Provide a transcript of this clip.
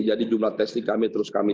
jadi jumlah testing kami terus tingkatkan